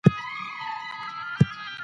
نسب ګډوډېږي.